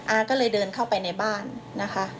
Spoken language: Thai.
อาก็เลยเดินเข้าไปในบ้านนะคะ